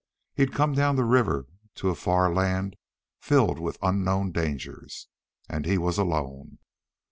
He'd come down the river to a far land filled with unknown dangers. And he was alone.